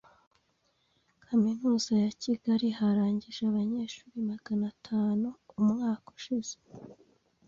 Kaminuza ya Kigali harangije abanyeshuri magana atanu umwaka ushize.